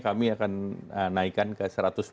kami akan naikkan ke